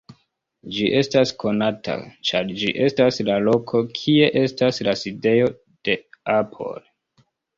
Ĝi estas konata, ĉar ĝi estas la loko, kie estas la sidejo de Apple.